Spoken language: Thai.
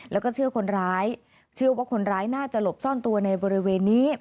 แล้วก็เชื่อคนร้ายเชื่อว่าคนร้ายน่าจะหลบซ่อนตัวในบริเวณนี้